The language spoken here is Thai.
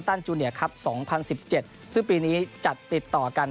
ไปฝึกทักษะลูกหนังที่ประเทศอังกฤษ